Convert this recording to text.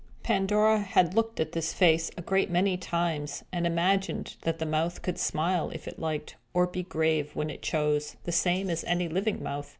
Pandora had looked at this face a great many times, and imagined that the mouth could smile if it liked, or be grave when it chose, the same as any living mouth.